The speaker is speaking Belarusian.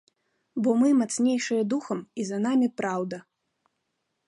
Бо мы мацнейшыя духам і за намі праўда.